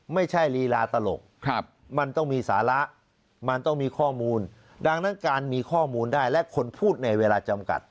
ลีลาตลกมันต้องมีสาระมันต้องมีข้อมูลดังนั้นการมีข้อมูลได้และคนพูดในเวลาจำกัด